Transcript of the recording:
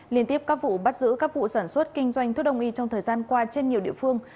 liên tiếp các vụ bắt giữ các vụ sản xuất kinh doanh thuốc đông y trong thời gian qua trên nhiều địa phương